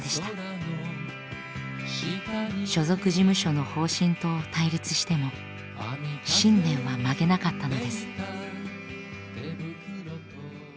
所属事務所の方針と対立しても信念は曲げなかったのです。